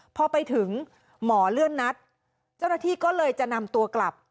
พอไปถึงหมอเลื่อนนัดเจ้าหน้าที่ก็เลยจะนำตัวกลับ